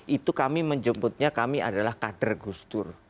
itu kami menjemputnya kami adalah kader gusdur